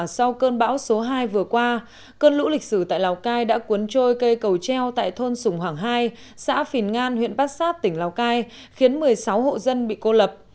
sau cơn bão số hai vừa qua cơn lũ lịch sử tại lào cai đã cuốn trôi cây cầu treo tại thôn sùng hoàng hai xã phìn ngan huyện bát sát tỉnh lào cai khiến một mươi sáu hộ dân bị cô lập